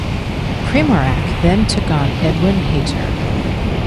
Primorac then took on Edwin Hayter.